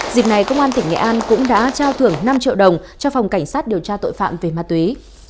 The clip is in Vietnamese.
dịp này công an tỉnh nghệ an cũng đã trao thưởng năm triệu đồng cho phòng cảnh sát điều tra tội phạm về ma túy